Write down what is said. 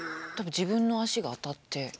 多分自分の足が当たって。